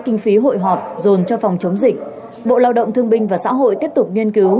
kinh phí hội họp dồn cho phòng chống dịch bộ lao động thương binh và xã hội tiếp tục nghiên cứu